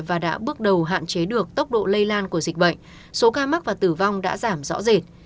và đã bước đầu hạn chế được tốc độ lây lan của dịch bệnh số ca mắc và tử vong đã giảm rõ rệt